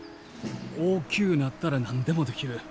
大きゅうなったら何でもできる。